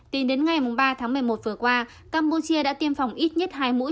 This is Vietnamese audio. tính đến ngày ba tháng một mươi một vừa qua campuchia đã tiêm phòng ít nhất hai mũi